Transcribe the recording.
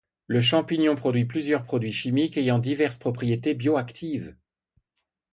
Le champignon produit plusieurs produits chimiques ayant diverses propriétés bioactives.